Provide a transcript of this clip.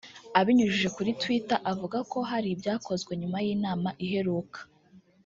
abinyujije kuri twitter avuga ko “hari ibyakozwe nyuma y’inama iheruka